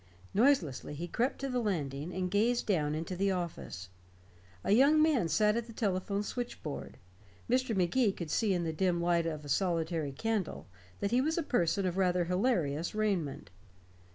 Noiselessly he crept to the landing, and gazed down into the office. A young man sat at the telephone switchboard; Mr. Magee could see in the dim light of a solitary candle that he was a person of rather hilarious raiment.